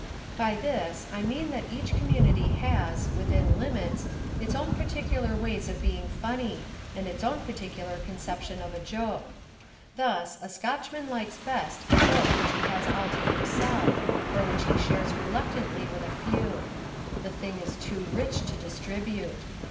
By this I mean that each community has, within limits, its own particular ways of being funny and its own particular conception of a joke. Thus, a Scotchman likes best a joke which he has all to himself or which he shares reluctantly with a few; the thing is too rich to distribute.